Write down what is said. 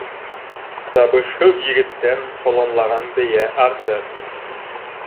Табышһыҙ егеттән ҡолонлаған бейә артыҡ.